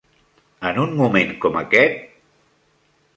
En un moment com aquest?